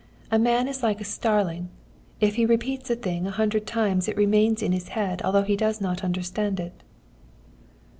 A man is like a starling. If he repeats a thing a hundred times it remains in his head although he does not understand it.'